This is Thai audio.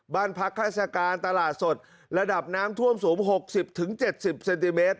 บ้านพักฮาศการตลาดสดระดับน้ำท่วมสูงหกสิบถึงเจ็ดสิบเซนติเมตร